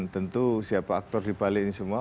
tentu siapa aktor di balik ini semua